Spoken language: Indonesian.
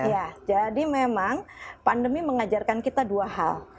ya jadi memang pandemi mengajarkan kita dua hal